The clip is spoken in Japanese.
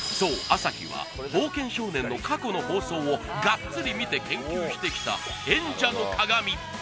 朝日は冒険少年の過去の放送をガッツリ見て研究してきた演者のかがみ